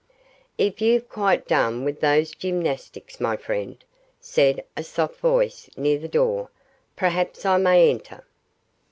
'If you've quite done with those gymnastics, my friend,' said a soft voice near the door, 'perhaps I may enter.